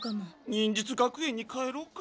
忍術学園に帰ろうか。